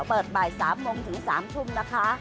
บ่าย๓โมงถึง๓ทุ่มนะคะ